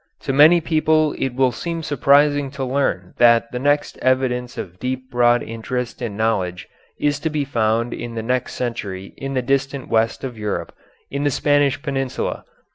To many people it will seem surprising to learn that the next evidence of deep broad interest in knowledge is to be found in the next century in the distant west of Europe, in the Spanish Peninsula.